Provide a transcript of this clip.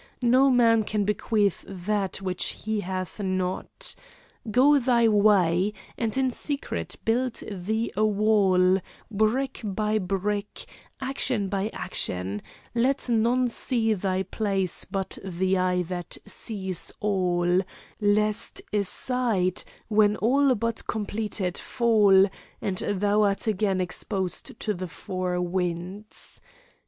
No man can bequeath that which he hath not. Go thy way, and in secret build thee a wall, brick by brick, action by action; let none see thy place but the eye that seeth all, lest a side, when all but completed, fall, and thou art again exposed to the four winds.